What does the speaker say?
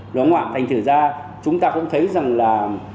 nó ngoạn thành thực ra chúng ta cũng thấy rằng là